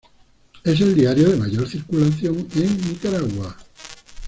Es el diario de mayor circulación en Nicaragua.